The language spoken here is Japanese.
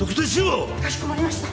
かしこまりました。